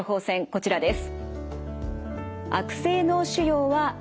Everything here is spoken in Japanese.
こちらです。